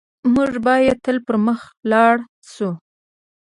موږ بايد تل پر مخ لاړ شو.